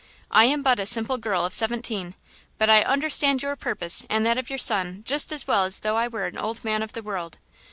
I am but a simple girl of seventeen, but I understand your purpose and that of your son just as well as though I were an old man of the world.